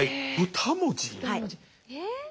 えっ？